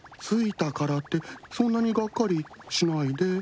着いたからってそんなにがっかりしないで。